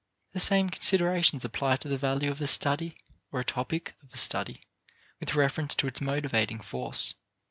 The same considerations apply to the value of a study or a topic of a study with reference to its motivating force.